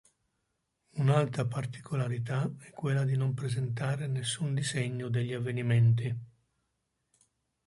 Un'altra particolarità è quella di non presentare nessun disegno degli avvenimenti.